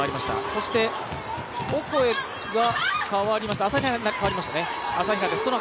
そして、オコエが朝比奈に代わりました。